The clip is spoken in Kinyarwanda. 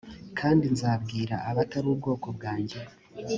kandi nzabwira abatari ubwoko bwanjye